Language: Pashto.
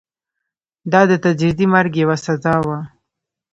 دا د تدریجي مرګ یوه سزا وه.